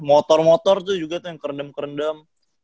motor motor tuh juga tuh yang kerendam kerendam